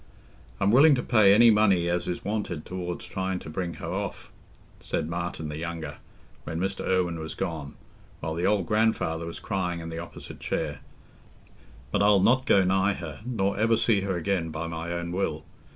"I'm willing to pay any money as is wanted towards trying to bring her off," said Martin the younger when Mr. Irwine was gone, while the old grandfather was crying in the opposite chair, "but I'll not go nigh her, nor ever see her again, by my own will.